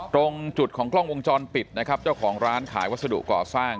ตรงจุดของกล้องวงจรปิดนะครับเจ้าของร้านขายวัสดุก่อสร้าง